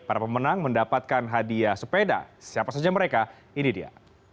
para pemenang mendapatkan hadiah sepeda siapa saja mereka ini dia